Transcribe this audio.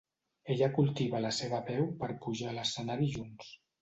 Ella cultiva la seva veu per pujar a l'escenari junts.